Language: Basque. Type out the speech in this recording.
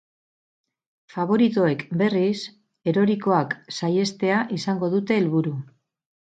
Faboritoek, berriz, erorikoak saihestea izango dute helburu.